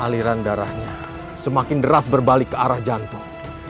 aliran darahnya semakin deras berbalik ke arah jantung